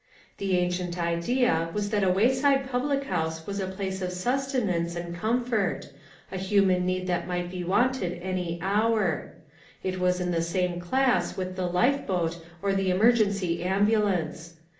The ancient idea was that a wayside public house was a place of sustenance and comfort, a human need that might be wanted any hour. It was in the same class with the life boat or the emergency ambulance.